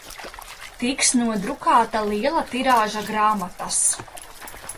Tiks nodrukāta liela tirāža grāmatas